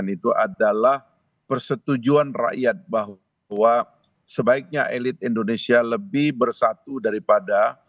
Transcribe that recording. lima puluh delapan delapan itu adalah persetujuan rakyat bahwa sebaiknya elit indonesia lebih bersatu daripada